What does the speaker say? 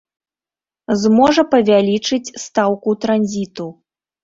Зможа павялічыць стаўку транзіту.